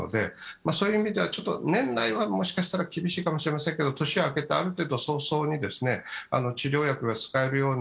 そういう意味では年内はもしかしたら厳しいかもしれませんけれども、年が明けてある程度早々に治療薬が使えるような